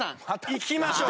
いきましょう。